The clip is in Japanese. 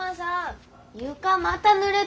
床またぬれてる。